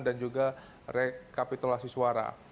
dan juga rekapitulasi suara